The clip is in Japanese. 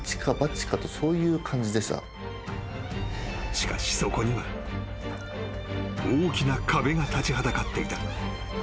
［しかしそこには大きな壁が立ちはだかっていた］